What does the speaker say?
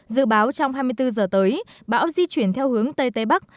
dự báo trong hai mươi bốn giờ tới bão di chuyển theo hướng tây tây bắc